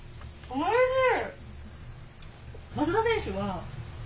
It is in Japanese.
おいしい。